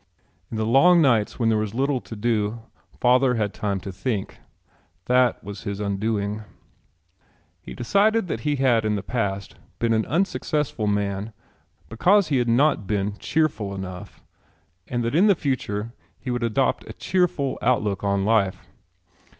In the long nights when there was little to do father had time to think. That was his undoing. He decided that he had in the past been an unsuccessful man because he had not been cheerful enough and that in the future he would adopt a cheerful outlook on life.